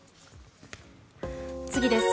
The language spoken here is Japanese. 次です。